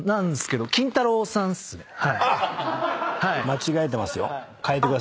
間違えてますよ。